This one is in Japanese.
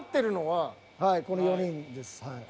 はいこの４人ですはい。